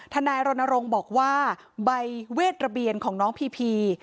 นายรณรงค์บอกว่าใบเวทระเบียนของน้องพีพี